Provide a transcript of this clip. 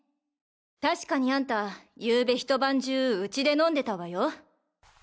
確かにあんたゆうべひと晩中ウチで飲んでたわよ。